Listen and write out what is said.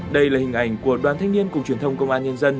đây là hình ảnh của đoàn thanh niên cục truyền thông công an nhân dân